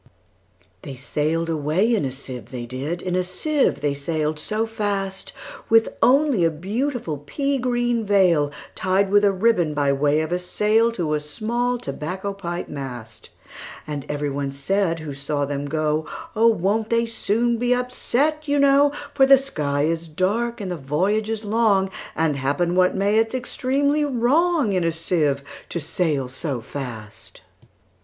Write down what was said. They sail'd away in a sieve, they did, In a sieve they sail'd so fast, With only a beautiful pea green veilTied with a ribbon, by way of a sail, To a small tobacco pipe mast. And every one said who saw them go,"Oh! won't they be soon upset, you know:For the sky is dark, and the voyage is long; And, happen what may, it 's extremely wrongIn a sieve to sail so fast."